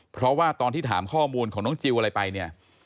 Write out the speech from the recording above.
เพราะว่าตอนที่ถามข้อมูลของน้องจิลอะไรไปเนี่ย